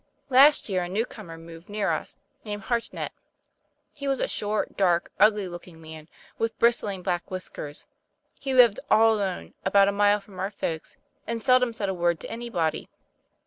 Last year a new comer moved near us, named Hartnett. He was a short, dark, ugly looking man, with bristling black whiskers. He lived all alone, about a mile from our folks, and seldom said a word to anybody.